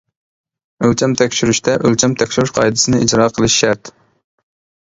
ئۆلچەم تەكشۈرۈشتە ئۆلچەم تەكشۈرۈش قائىدىسىنى ئىجرا قىلىش شەرت.